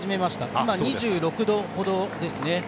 今、２６度ほどですね。